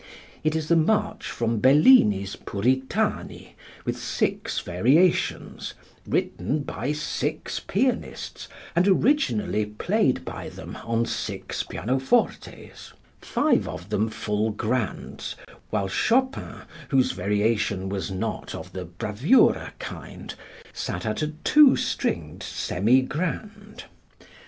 It is the march from Bellini's "Puritani" with six variations, written by six pianists and originally played by them on six pianofortes, five of them full grands, while Chopin, whose variation was not of the bravura, kind, sat at a two stringed semi grand.